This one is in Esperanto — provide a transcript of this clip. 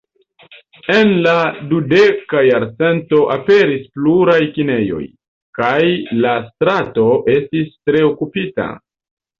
En la dudeka jarcento aperis pluraj kinejoj, kaj la strato estis tre okupita.